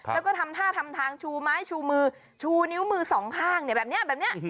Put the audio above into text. แล้วก็ทำท่าทำทางชูไม้ชูมือชูนิ้วมือสองข้างแบบนี้แบบนี้